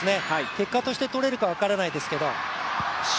結果として、とれるか分からないですけど。